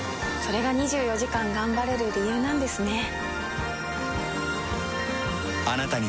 れが２４時間頑張れる理由なんですね。